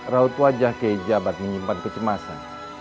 raut wajah kiajabat menyimpan kecemasan